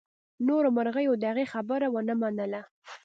نورو مرغیو د هغې خبره ونه منله.